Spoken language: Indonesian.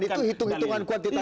dan itu hitung hitungan kuantitatif